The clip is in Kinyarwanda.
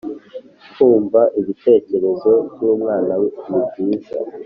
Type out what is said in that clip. Kumva ibitekerezo by’umwana ni byiza